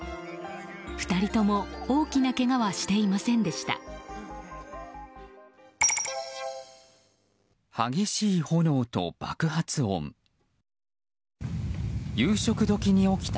２人とも大きなけがはしていませんでした。